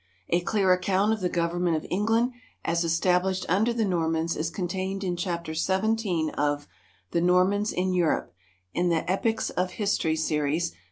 A clear account of the Government of England as established under the Normans is contained in Chapter XVII of "The Normans in Europe," in the Epochs of History series, pp.